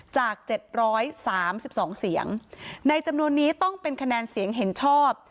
จาก๗๓๒เสียงในจำนวนนี้ต้องเป็นคะแนนเสียงเห็นชอบ